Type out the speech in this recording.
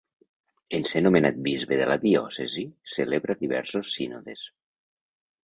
En ser nomenat bisbe de la diòcesi, celebra diversos sínodes.